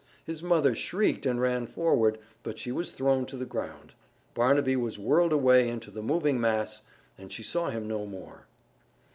His mother shrieked and ran forward, but she was thrown to the ground; Barnaby was whirled away into the moving mass and she saw him no more.